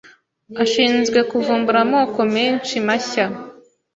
ashinzwe kuvumbura amoko menshi mashya.